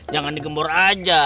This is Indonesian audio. jangan digembor aja